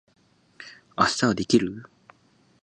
明日はできる？